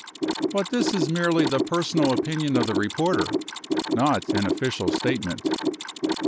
But this is merely the personal opinion of the reporter, not an official statement.